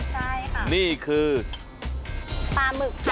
ไม่รอชาติเดี๋ยวเราลงไปพิสูจน์ความอร่อยกันครับ